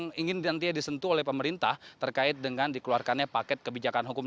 yang ingin nantinya disentuh oleh pemerintah terkait dengan dikeluarkannya paket kebijakan hukum